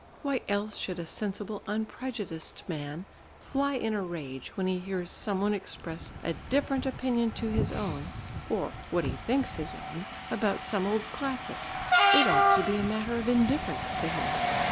Why else should a sensible unprejudiced man fly in a rage when he hears some one express a different opinion to his own (or what he thinks his own) about some old classic? It ought to be a matter of indifference to him.